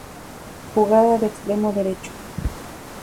Jugaba de extremo derecho.